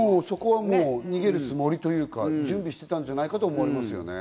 逃げるつもりというか、準備してたんじゃないかと思われますよね。